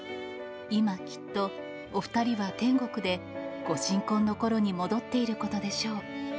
今きっとお２人は天国でご新婚のころに戻っていることでしょう。